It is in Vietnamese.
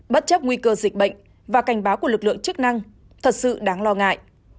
bất chấp nguy cơ dịch bệnh và cảnh báo của lực lượng chức năng thật sự đáng lo ngại